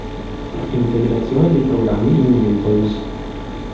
Integrazione dei programmi in Windows.